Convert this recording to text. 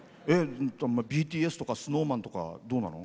ＢＴＳとかＳｎｏｗＭａｎとかどうなの？